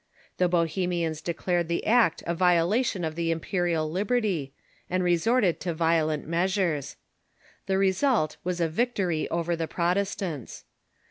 The Bohemians declared the act a violation of the impe rial liberty, and resorted to violent measures. The result was a victory over the Protestants.